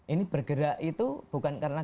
ini bergerak itu bukan karena